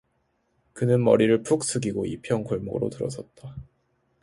그는 머리를 푹 숙이고 이편 골목으로 들어섰다.